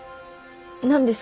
何です？